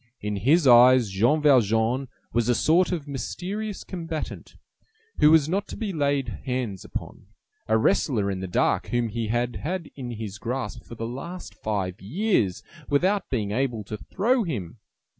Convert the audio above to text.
In his eyes, Jean Valjean was a sort of mysterious combatant, who was not to be laid hands upon, a wrestler in the dark whom he had had in his grasp for the last five years, without being able to throw him.